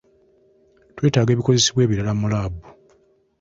Twetaaga ebikozesebwa ebirala mu laabu.